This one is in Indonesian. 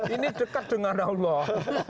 ini dekat dengan allah